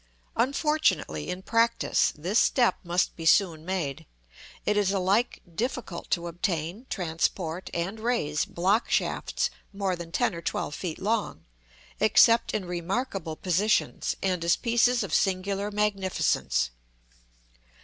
Unfortunately, in practice, this step must be soon made. It is alike difficult to obtain, transport, and raise, block shafts more than ten or twelve feet long, except in remarkable positions, and as pieces of singular magnificence.